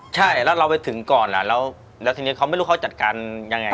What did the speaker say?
ใช่แล้วเราไปถึงก่อนแล้วทีนี้เขาไม่รู้เขาจัดการยังไง